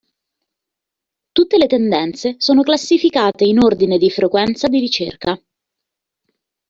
Tutte le tendenze sono classificate in ordine di frequenza di ricerca.